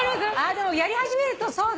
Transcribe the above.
でもやり始めるとそうだね。